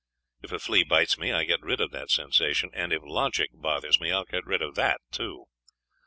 If a flea bites me I get rid of that sensation; and if logic bothers me, I'll get rid of that too.